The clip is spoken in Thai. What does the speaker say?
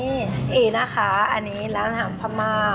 เอเนี่่ยหน่าคาอันนี้ร้านอาหารพระมาก